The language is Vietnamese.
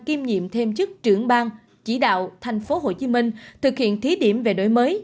kiêm nhiệm thêm chức trưởng ban chỉ đạo thành phố hồ chí minh thực hiện thí điểm về đổi mới